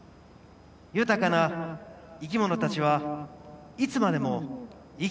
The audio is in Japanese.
豊かな生きものたちはいつまでも生きていけますか。